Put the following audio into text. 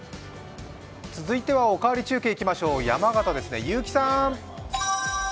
続いては「おかわり中継」いきましょう、山形・結城さん。